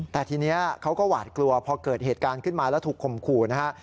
แต่ทีนี้เขาก็หวาดกลัวพอเกิดเหตุการณ์ขึ้นมาแล้วถูกข่มขู่นะฮะ